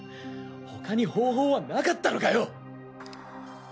他に方法はなかったのかよ！